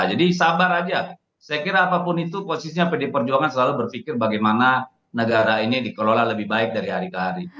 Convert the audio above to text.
jadi sabar aja saya kira apapun itu posisinya pdi perjuangan selalu berpikir bagaimana negara ini dikelola lebih baik dari hari ke hari